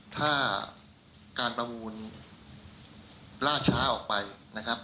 ถ้าการประมูลล่าช้าออกไปนะครับ